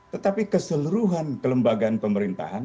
tetapi keseluruhan kelembagaan pemerintahan